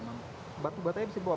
batu batanya bisa dibawa